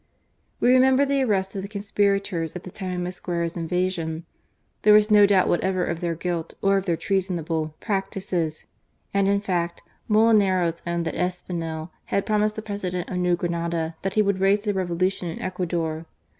We remember the arrest of the conspirators at the time of Mosquera's invasion. There was no doubt whatever of their guilt, or of their treasonable K 146 GARCIA MORENO. practices ; and in fact, Molineros owned that Espinel had promised the President of New Granada that he would raise a revolution in Ecuador.